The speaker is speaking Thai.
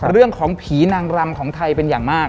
เรื่องของผีนางรำของไทยเป็นอย่างมาก